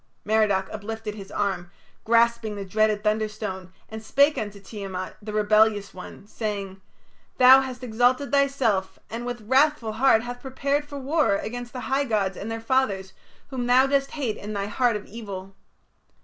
Merodach uplifted his arm, grasping the dreaded thunderstone, and spake unto Tiamat, the rebellious one, saying: "Thou hast exalted thyself, and with wrathful heart hath prepared for war against the high gods and their fathers, whom thou dost hate in thy heart of evil.